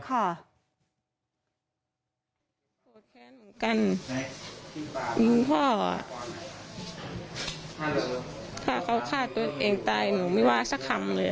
ถ้าไม่ได้ให้เค้ากลับใจมาฝ่างข้อสังเกต